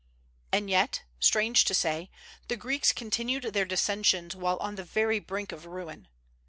And yet, strange to say, the Greeks continued their dissensions while on the very brink of ruin.